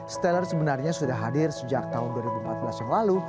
steller sebenarnya sudah hadir sejak tahun dua ribu empat belas yang lalu